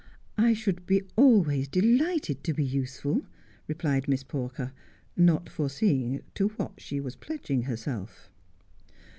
' I should be always delighted to be useful,' replied Miss Pawker, not foreseeing to what she was pledging herself.